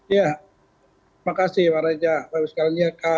ya terima kasih pak raja